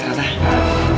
ya permisi tante